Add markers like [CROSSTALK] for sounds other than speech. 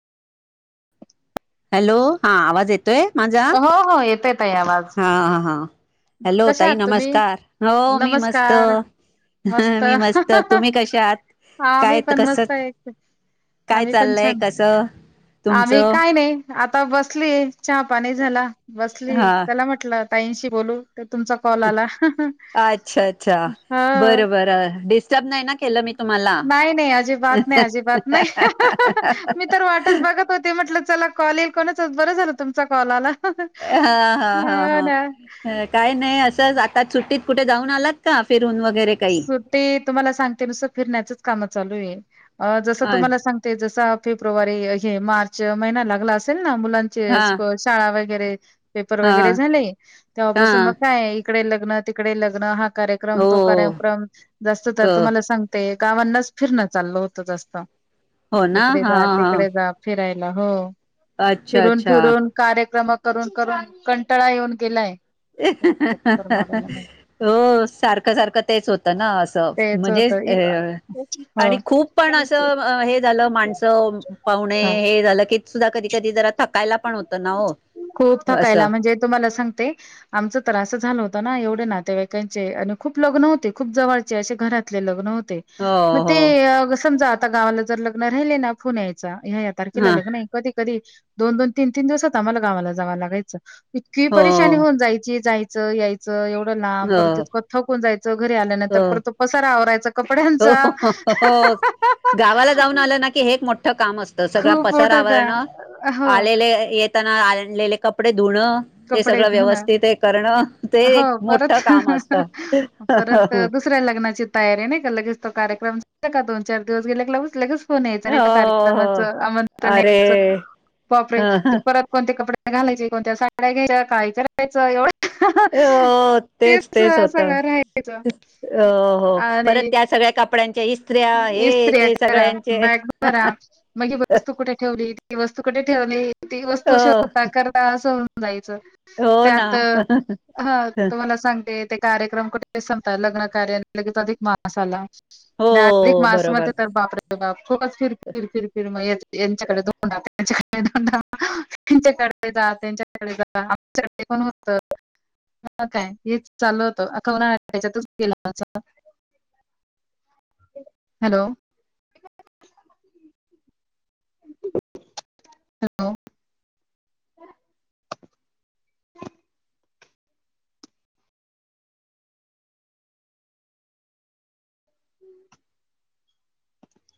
Hello हा आवाज येतोय माझा? हो हो येत येत आवाज. हा हा हा हॅलो कशा ताई आहात तुम्ही? नमस्कार हो मी मस्त नमस्कार हा मस्त मी मस्त तुम्ही कशी आहात आम्ही काय पण कसं, मस्त आहे काय आम्ही पण चालय छान कसं आम्ही तुमचं काय नाही आता बसली चहापाणी झाला बसली हा त्याला म्हट तांईशी बोलू. तर तुमचा कॉल आला अच्छा अच्छा हा बरं बरं डिस्टर्ब नाही ना केलं मी तुम्हाला नाही नाही अजिबात नाही अजिबात नाही मी तर. कॉल येईल कोच बरं झालं तुमचा कॉल आला हा हा हा हो ना हा, काय नाही असं आता सुट्टीत कुठे जाऊन आलात का फिरून वगैरे, काही सुट्टी तुम्हाला सांगते नुस फिरण्याचच काम चालू आहे जस अ तुम्हाला सांग. ते जसा फेब्रुवारी हे मार्च महिना लागला असेल. हा शाळा वगैरे पेपर हा वगैरे झाले हा तेव्हापासून मग काय तिकडे लग्न तिकडे लग्न हा कार्यक्रम हो तो कार्यक्रम जास्त तर हो तुम्हाला सांग. ते गावांनाच फिरणं चालल होत जास्त हो ना इकडे हा जा हा तिकडे जा. फिरायला हो अच्छा फिरून अच्छा फिरून. कार्यक्रम करून करून कंटळा येऊन गेलाय, चक्कर मारून आलो. हो सारखं सारखं तेच होतं ना असं, तेच म्हणजे. होत हो. आणि खूप पण असं हे झालं माणसं पाहुणे हा हे झालं की. [INAUDIBLE] होतं ना हो खूप असं थकायला म्हणजे तुम्हाला सांगते आमचं तर असं झालं होतं ना एवढे ना तेवाईकांचे आणि खूप लग्न होते खूप जवळचे असे घरातले लग्न होते. हो मग हो ते समजा आता गावाला जर लग्न राहिले ना फुन यायच ह्या या तारखेला हां लग्न आहे. कधी कधी दोन दोन तीन तीन दिवसात आम्हाला गावाला जावं लागयचं. कि हो परशानी होऊन जायची जायचं यायचं. एवढं ना हो परत ततकं थकून जायचं घरी हो आल्यानंतर परत पसारा आवरायचा. हो कपड्यांचा हो गावाला जाऊन आलं ना की हे एक मोठं काम असत. तर सगळ खूप मोठं का पसारावरणं हो आलेले येताना आलेले कपडे धुणं ते कपडे सगळं धुणं व्यवस्थित हे करणं ते हो एक परत मोठं काम असत. ुऱ्या लग्नाची तयारी नाही का लगे तो कार्यक्रम झा का दोन चार दिवस गेले लगच लगे फोन यायच हो नाही तर हो कार्यक्रमाच आमंत्रण अरे यायचं वापरे ते ह परत कोणते्या कपड्या घालायचे कोणत्या साड्या घ्यायच्या काही करायचं एवढं. ह. अ तेच तेच अ, होत सगळं राहायचं अ हो परत त्या सगळ्या काप कपड्यांचे इस्त्रिया करा बॅग भरा मग वस्तू कुठे ठेवली. ती वस्तूकडे ठेवली ती हो वस्तू शेवता करता असं होन जायचं. हो ना त्यात हा तुम्हाला सांगते. कार्यक्रम कुठे संपता लग्न कार्याने लगेत अधिक मास आला. आणि अधिक हो बरोबर मासमध्ये तर बापर बा खूपच फिर फिर फिर फिर मग यांच्याकडे दोंडा त्यांच्याकडे दोंडा त्यांच्याकडे जा त्यांच्याकडे जा आमच्याकडे कोण होत. ह काय हेच चाल होतं अवच्यात ग. हॅलो. [INAUDIBLE]